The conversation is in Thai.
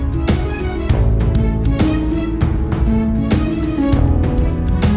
และให้มีเกี่ยวใจกับช่วงให้เก็บของมีชุมชนประมาณอย่างกับราว